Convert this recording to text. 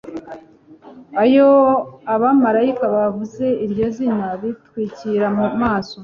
iyo abamarayika bavuze iryo zina bitwikira mu maso